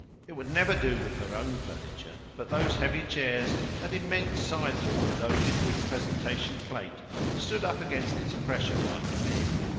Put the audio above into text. It would never do with her own furniture, but those heavy chairs, that immense side board loaded with presentation plate, stood up against its pressure like men.